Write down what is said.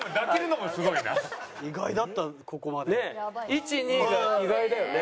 １２が意外だよね。